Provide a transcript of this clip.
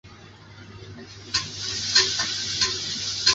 滇东杜根藤为爵床科杜根藤属的植物。